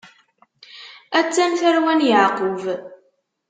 A-tt-an tarwa n Yeɛqub.